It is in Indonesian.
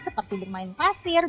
seperti bermain pasir